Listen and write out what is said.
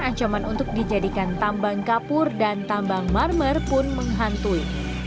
ancaman untuk dijadikan tambang kapur dan tambang marmer pun menghantui